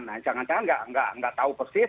nah jangan jangan nggak tahu persis